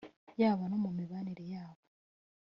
yaba no mu mibanire yabo